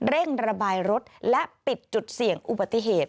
เร่งระบายรถและปิดจุดเสี่ยงอุบัติเหตุ